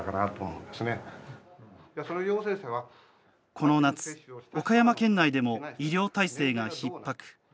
この夏、岡山県内でも医療体制がひっ迫。